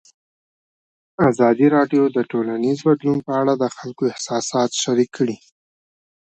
ازادي راډیو د ټولنیز بدلون په اړه د خلکو احساسات شریک کړي.